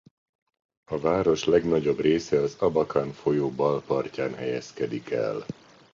A város legnagyobb része az Abakan folyó bal partján helyezkedik el.